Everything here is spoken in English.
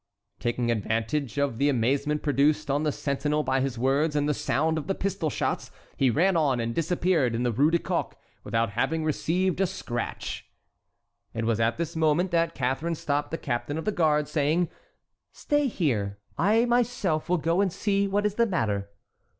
Taking advantage of the amazement produced on the sentinel by his words and the sound of the pistol shots, he ran on and disappeared in the Rue du Coq without having received a scratch. It was at this moment that Catharine stopped the captain of the guards, saying: "Stay here; I myself will go and see what is the matter."